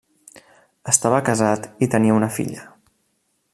Estava casat i tenia una filla.